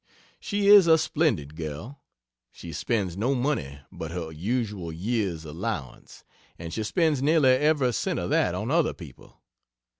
She is a splendid girl. She spends no money but her usual year's allowance, and she spends nearly every cent of that on other people.